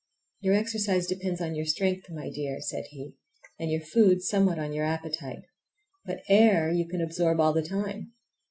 "Your exercise depends on your strength, my dear," said he, "and your food somewhat on your appetite; but air you can absorb all the time."